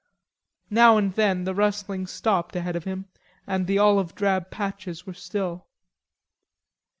Now and then the rustling stopped ahead of him, and the olive drab patches were still.